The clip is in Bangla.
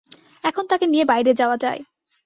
এখন তাকে নিয়ে বাইরে যাওয়া যায়।